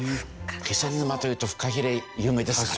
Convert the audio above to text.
気仙沼というとフカヒレ有名ですから。